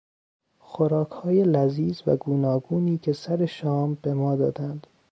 خوراکهای لذیذ و گوناگونی که سر شام به ما دادند